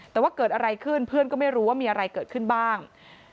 แต่ว่าเกิดอะไรขึ้นเพื่อนก็ไม่รู้ว่ามีอะไรเกิดขึ้นบ้าง